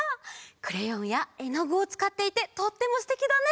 クレヨンやえのぐをつかっていてとってもすてきだね。